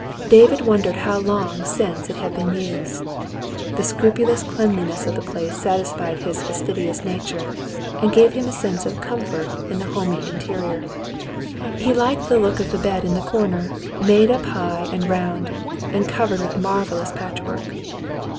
David wondered how long since it had been used. The scru pulous cleanliness of the place satisfied his fastidious nature, and gave him a sense of comfort in the homely interior. He liked the look of the bed in the corner, made up high and round, and covered with marvellous patchwork.